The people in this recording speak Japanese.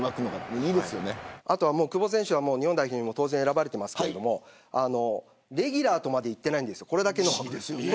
久保選手は日本代表にも選ばれてますけどレギュラーまではいっていないんです。